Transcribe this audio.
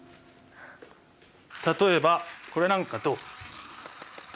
例えばこれなんかどう？